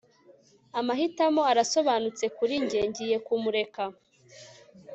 amahitamo arasobanutse kuri njye ngiye kumureka